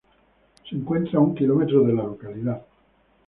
Se encuentra a un kilómetro de la localidad.